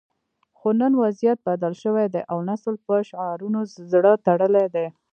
خو نن وضعیت بدل شوی دی او نسل په شعارونو زړه تړلی دی